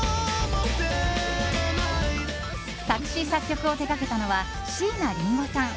作詞・作曲を手掛けたのは椎名林檎さん。